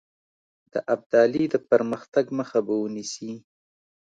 د ابدالي د پرمختګ مخه به ونیسي.